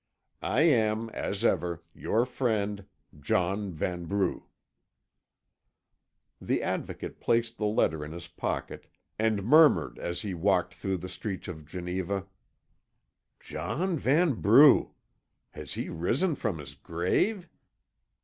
"I am, as ever, your friend, "John Vanbrugh." The Advocate placed the letter in his pocket, and murmured as he walked through the streets of Geneva: "John Vanbrugh! Has he risen from his grave?